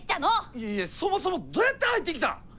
いやいやそもそもどうやって入ってきたん！？